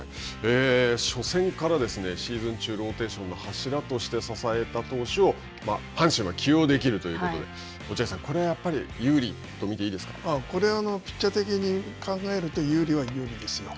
初戦からシーズン中ローテーションの柱として支えた投手を阪神は起用できるということで、落合さん、これはやっぱり有利とこれはピッチャー的に考えると有利は有利ですよ。